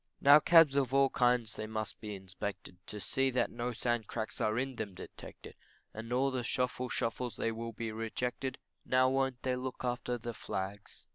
Now cabs of all kinds they must be inspected To see that no sand cracks are in them detected And all the shofle shofles they will be rejected Now won't they look after the flags.